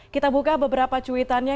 kita buka beberapa cuitannya